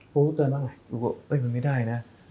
พุพลูกเตือนบ้างหรือปลูกหน่อยเป็นไปได้แน่